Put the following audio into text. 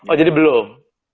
oh jadi belum